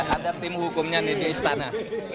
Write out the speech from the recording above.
ada tim hukumnya nih di istana